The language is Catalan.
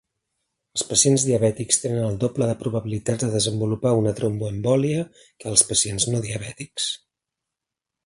Els pacients diabètics tenen el doble de probabilitats de desenvolupar una tromboembòlia que els pacients no diabètics.